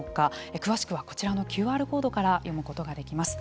詳しくはこちらのＱＲコードから読むことができます。